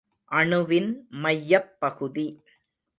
அணுவின் மையப் பகுதி.